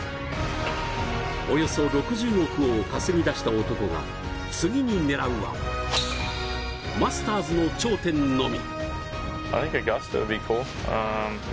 およそ６０億を稼ぎ出した男が次に狙うはマスターズの頂点のみ。